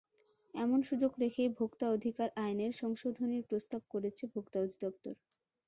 এমন সুযোগ রেখেই ভোক্তা অধিকার আইনের সংশোধনীর প্রস্তাব করেছে ভোক্তা অধিদপ্তর।